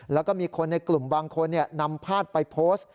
แล้วก็มีคนในกลุ่มบางคนนำภาพไปโพสต์